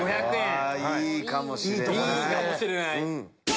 いいかもしれない。